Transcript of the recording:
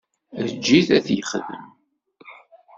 Eǧǧ-it ad t-yexdem.